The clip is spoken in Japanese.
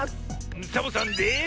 サボさんです。